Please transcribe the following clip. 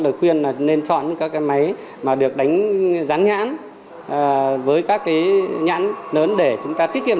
lời khuyên là nên chọn các cái máy mà được đánh gián nhãn với các cái nhãn lớn để chúng ta tiết kiệm